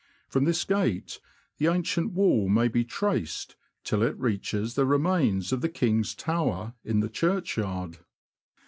From this gate the ancient wall may be traced till it reaches the remains of the King's Tower, in the churchyard.